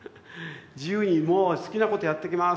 「自由にもう好きなことやってきます。